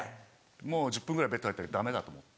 もう１０分ぐらいベッド入ったけどダメだと思って。